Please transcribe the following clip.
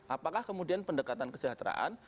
apakah kemudian pendekatan kesejahteraan